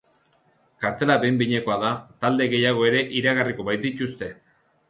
Kartela behin-behinekoa da, talde gehiago ere iragarriko baitituzte.